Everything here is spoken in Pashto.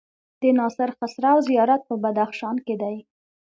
د ناصر خسرو زيارت په بدخشان کی دی